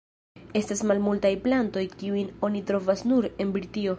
Estas malmultaj plantoj kiujn oni trovas nur en Britio.